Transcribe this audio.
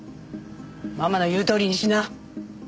ママの言うとおりにしな。